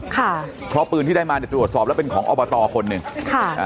ค่ะเพราะปืนที่ได้มาเนี่ยตรวจสอบแล้วเป็นของอบตคนหนึ่งค่ะอ่า